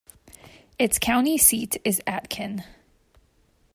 Its county seat is Aitkin.